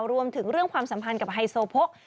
รวมถึงเรื่องความสัมพันธ์กับไฮโซโพก